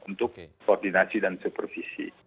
untuk koordinasi dan supervisi